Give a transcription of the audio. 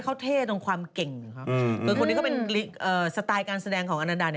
เขาเท่ในความเก่งก็คือคนนี้สไตล์การแสดงของอันนดา